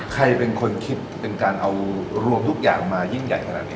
ใครเป็นคนคิดเป็นการเอารวมทุกอย่างมายิ่งใหญ่ขนาดนี้